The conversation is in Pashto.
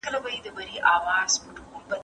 هغه د قبيلو ترمنځ شخړې په سوله ييزه توګه حلول.